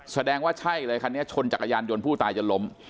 แสดงว่าใช่เลยคันนี้ชนจักรยานยนต์ผู้ตายจนล้ม